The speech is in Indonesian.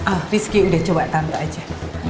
ah rizky udah coba tante aja